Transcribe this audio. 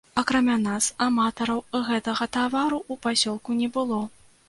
Акрамя нас аматараў гэтага тавару ў пасёлку не было.